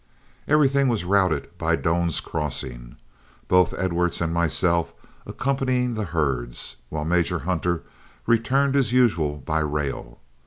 Everything was routed by Doan's Crossing, both Edwards and myself accompanying the herds, while Major Hunter returned as usual by rail.